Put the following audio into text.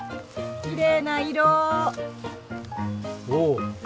きれいな色！